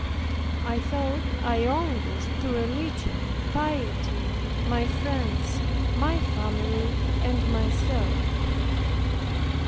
I thought I owed this to religion, piety, my friends, my family, and myself.